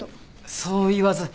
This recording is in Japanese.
そう言わず。